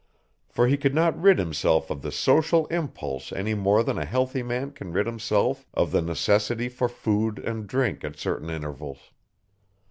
For he could not rid himself of the social impulse any more than a healthy man can rid himself of the necessity for food and drink at certain intervals.